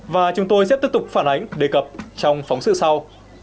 và chúng tôi sẽ tiếp tục phản ánh đề cập trong phóng sự sau